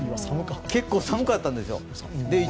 結構寒かったんですよ。